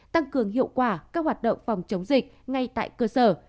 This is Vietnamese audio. tăng cường hiệu quả các hoạt động phòng chống dịch ngay tại cơ sở